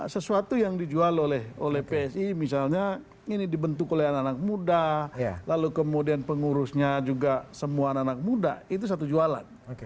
sesuatu yang dijual oleh psi misalnya ini dibentuk oleh anak anak muda lalu kemudian pengurusnya juga semua anak anak muda itu satu jualan